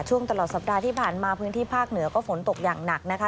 ช่วงตลอดสัปดาห์ที่ผ่านมาพื้นที่ภาคเหนือก็ฝนตกอย่างหนักนะคะ